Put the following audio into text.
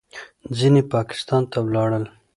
ځینې پاکستان ته ولاړل.